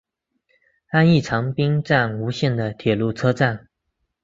安艺长滨站吴线的铁路车站。